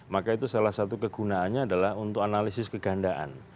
maka itu salah satu kegunaannya adalah untuk analisis kegandaan